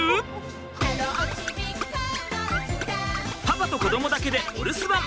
パパと子どもだけでお留守番！